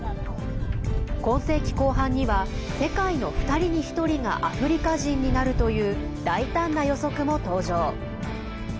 今世紀後半には世界の２人に１人がアフリカ人になるという大胆な予測も登場。